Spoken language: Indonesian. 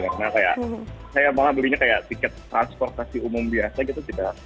karena kayak saya malah belinya kayak tiket transportasi umum biasa gitu